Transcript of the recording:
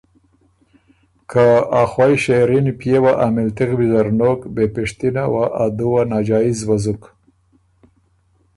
که ا خوئ شېرِن پئے وه ا مِلتِغ ویزر نوک بې پِشتِنه وه ا دُوه ناجائز وزُک۔